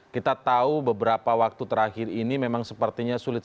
kita tahu beberapa waktu terakhir ini memang sepertinya sulit